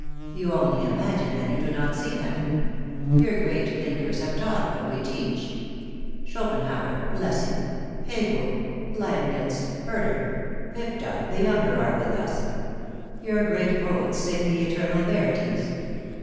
You only imagine that you do not see them. Your great thinkers have taught what we teach. Schopenhauer, Lessing, Hegel, Leibnitz, Herder, Fichte the younger, are with us. Your great poets sing the eternal verities.